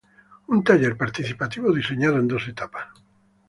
Un taller participativo diseñado en dos etapas.